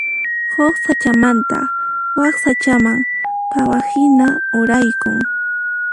Huk sach'amanta wak sach'aman phawaqhina uraykun.